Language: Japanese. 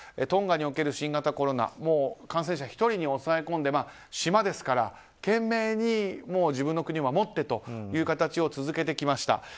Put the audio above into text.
トンガにおける新型コロナは感染者１人に抑え込んで島ですから懸命に自分の国を守ってという形を続けてきました。